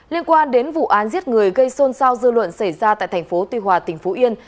liên quan đến vụ án giết người gây xôn xao dư luận xảy ra tại thành phố tuy hòa tỉnh phú yên